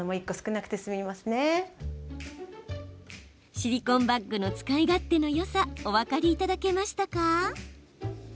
シリコンバッグの使い勝手のよさお分かりいただけましたか？